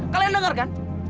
kalian dengar kan